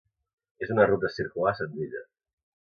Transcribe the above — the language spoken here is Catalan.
És una ruta circular senzilla